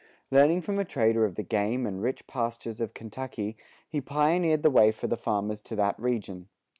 Learning from a trader of the game and rich pastures of Kentucky, he pioneered the way for the farmers to that region.